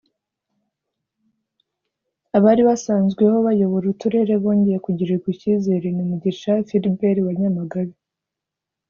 Abari basanzweho bayobora Uturere bongeye kugirirwa icyizere ni Mugisha Philbert wa Nyamagabe